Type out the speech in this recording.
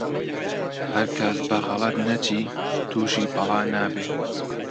هەرکەس بە غەڵەت نەچی، تووشی بەڵا نابێ